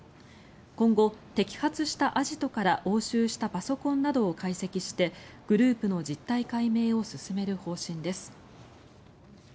今後、摘発したアジトから押収したパソコンなどを解析してグループの実態解明を進める方針です。